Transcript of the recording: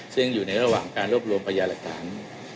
ซึ่งอยู่ในระหว่างการรวบรวมพยาหลักฐาน